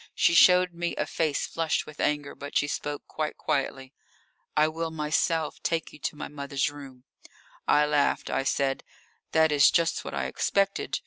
She showed me a face flushed with anger, but she spoke quite quietly. "I will myself take you to my mother's room." I laughed. I said: "That is just what I expected.